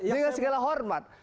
dengan segala hormat